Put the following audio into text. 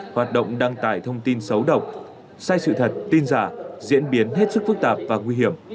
hoạt động đăng tải thông tin xấu độc sai sự thật tin giả diễn biến hết sức phức tạp và nguy hiểm